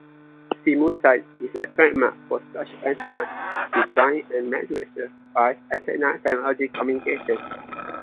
Simulsat is a trademark for such antennas designed and manufactured by Antenna Technology Communications.